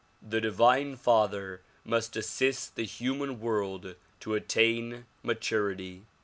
The divine father must assist the human world to attain maturity.